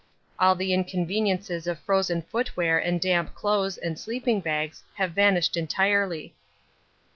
All the inconveniences of frozen footwear and damp clothes and sleeping bags have vanished entirely.